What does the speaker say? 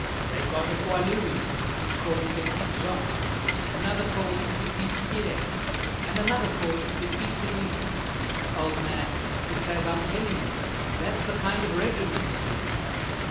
They've got a poilu in it who's called Petitjean, another called Petitpierre, and another called Petitlouis. Old man, it's as I'm telling you; that's the kind of regiment it is."